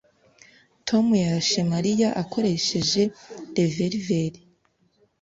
Tom yarashe Mariya akoresheje reververi